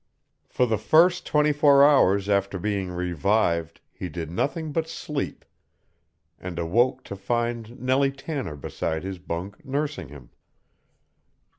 For the first twenty four hours after being revived he did nothing but sleep, and awoke to find Nellie Tanner beside his bunk nursing him.